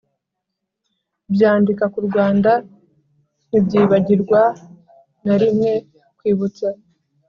byandika ku rwanda ntibyibagirwa na rimwe kwibutsa